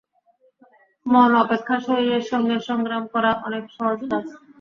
মন অপেক্ষা শরীরের সঙ্গে সংগ্রাম করা অনেক সহজ কাজ।